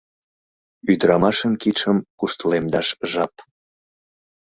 Ӱдырамашын кидшым куштылемдаш жап!